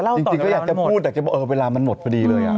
ที่จริงก็อยากจะบอกว่าเวลามันหมดพอดีเลยอ่ะ